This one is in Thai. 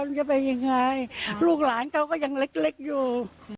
จะไปยังไงลูกหลานเขาก็ยังเล็กอยู่